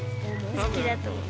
好きだと思う。